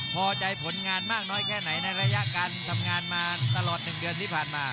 พอใจผลงานมากน้อยแค่ไหนในระยะการทำงานมาตลอด๑เดือนที่ผ่านมา